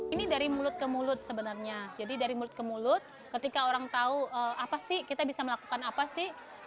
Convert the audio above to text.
ini dari mulut ke mulut sebenarnya jadi dari mulut ke mulut ketika orang tahu apa sih kita bisa melakukan apa sih